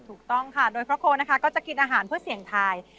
ถูกต้องค่ะโดยพระโคนะคะก็จะกินอาหารเพื่อเสี่ยงทาย